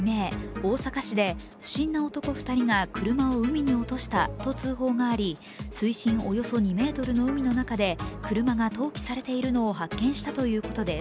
大阪市で不審な男２人が車を海に落としたと通報があり、水深およそ２ｍの海の中で車が投棄されているのを発見したということです。